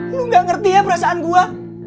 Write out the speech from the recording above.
lu ga ngerti ya perasaan gua